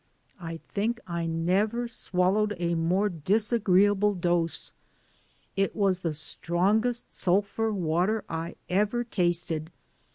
I think I never swallowed a more disagreeable dose. It was the strong est sulphur water I ever tasted.